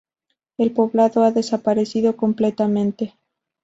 El poblado ha desaparecido completamente.